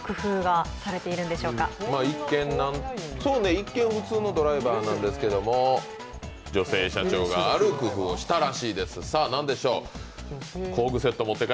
一見普通のドライバーなんですけれども女性社長がある工夫をしたらしいです、何でしょう。